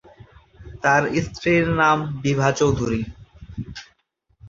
তার স্ত্রীর নাম বিভা চৌধুরী।